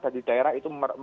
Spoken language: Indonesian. jadi daerah itu